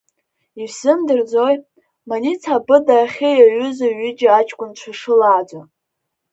Ишәзымдырӡои, Маница абыда ахьы иаҩызоу ҩыџьа аҷкәынцәа шылааӡо?